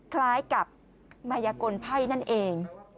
คล้ายกับมายกลไพ่นั่นเอง